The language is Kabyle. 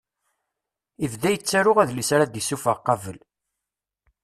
Ibda yettaru adlis ara d-isuffeɣ qabel.